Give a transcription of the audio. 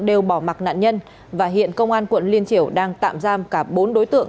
đều bỏ mặt nạn nhân và hiện công an quận liên triểu đang tạm giam cả bốn đối tượng